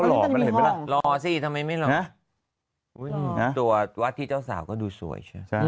รอสิทำไมไม่หลอกตัววัดที่เจ้าสาวก็ดูสวย